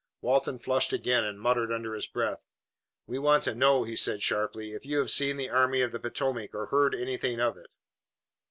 Dalton flushed again and muttered under his breath. "We want to know," he said sharply, "if you have seen the Army of the Potomac or heard anything of it."